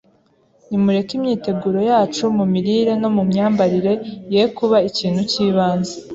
Nimureke imyiteguro yacu mu mirire no mu myambarire ye kuba ikintu cy’ibanze